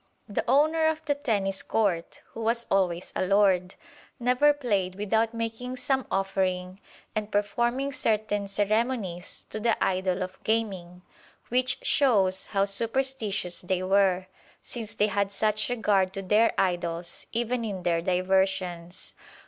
The owner of the Tennis Court, who was always a lord, never play'd without making some offering and performing certain ceremonies to the idol of gaming, which shows how superstitious they were, since they had such regard to their idols, even in their diversions.